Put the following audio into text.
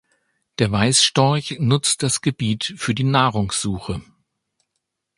Der Weißstorch nutzt das Gebiet für die Nahrungssuche.